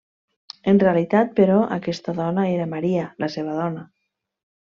En realitat, però, aquesta dona era Maria, la seva dona.